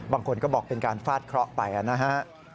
บางคนก็บอกเป็นการฟาดเคราะห์ไปนะฮะ